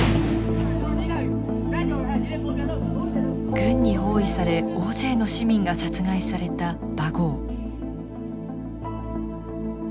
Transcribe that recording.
軍に包囲され大勢の市民が殺害されたバゴー。